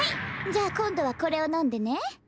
じゃあこんどはこれをのんでね。